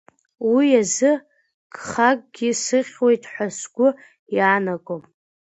Уи азы гхакгьы сыхьуеит ҳәа сгәы иаанагом.